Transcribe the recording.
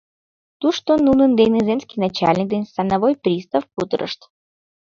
Тушто нунын дене земский начальник ден становой пристав кутырышт